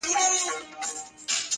د څه ووايم سرې تبې نيولی پروت دی,